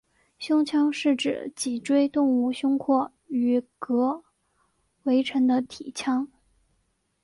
胸腔是指脊椎动物胸廓与膈围成的体腔。